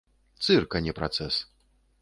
Цырк, а не працэс.